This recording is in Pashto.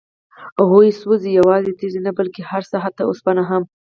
هو؛ سوزي، يوازي تيږي نه بلكي هرڅه، حتى اوسپنه هم